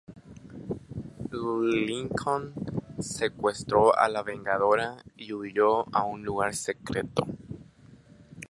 Lincoln secuestró a la Vengadora y huyó a un lugar secreto.